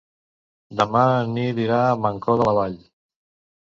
Demà en Nil irà a Mancor de la Vall.